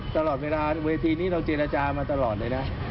ตลอดเวลาเวทีนี้เราเจรจามาตลอดเลยนะ